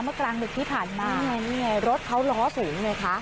เมื่อกลางหนึ่งที่ผ่านมานี่ไงนี่ไงรถเขาล้อสูงเลยค่ะ